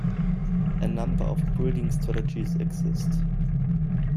A number of breeding strategies exist.